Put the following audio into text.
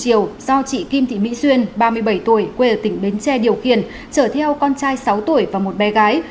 hôm nay cùng chiều do chị kim thị mỹ duyên ba mươi bảy tuổi quê ở tỉnh bến tre điều khiển chở theo con trai sáu tuổi và một bé gái